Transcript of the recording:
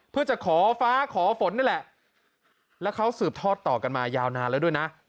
เพื่อจะขอฟ้าขอฝนนี่แหละแล้วเขาสืบทอดต่อกันมายาวนานแล้วด้วยนะ